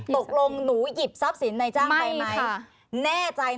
ตกลงหนูหยิบทรัพย์สินในจ้างไปไหมแน่ใจ